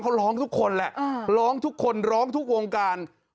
เขาร้องทุกคนแหละร้องทุกคนร้องทุกวงการ